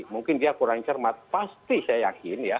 mungkin dia kurang cermat pasti saya yakin ya